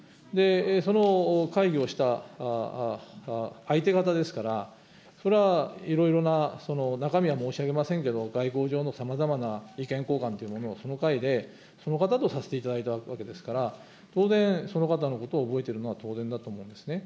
その会議をした相手方ですから、それはいろいろな中身は申し上げませんけど、外交上のさまざまな意見交換の会で、その方とさせていただいたわけですから、当然その方のことを覚えているのは当然だと思いますね。